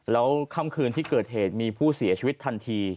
แล้วค่ำคืนที่เกิดเหตุมีผู้เสียชีวิตทันที